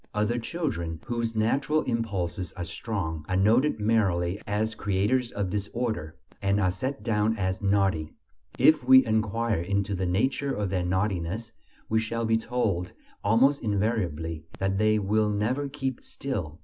Other children, whose natural impulses are strong, are noted merely as creators of disorder, and are set down as "naughty." If we enquire into the nature of their naughtiness, we shall be told almost invariably that "they will never keep still."